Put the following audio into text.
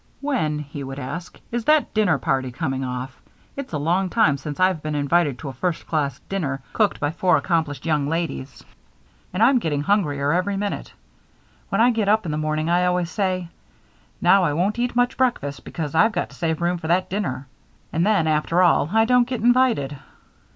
"When," he would ask, "is that dinner party coming off? It's a long time since I've been invited to a first class dinner, cooked by four accomplished young ladies, and I'm getting hungrier every minute. When I get up in the morning I always say: 'Now I won't eat much breakfast because I've got to save room for that dinner' and then, after all, I don't get invited."